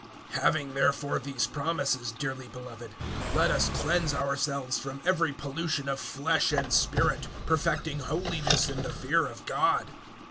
HAVING therefore these promises, dearly beloved, let us cleanse ourselves from every pollution of flesh and spirit, perfecting holiness in the fear of God.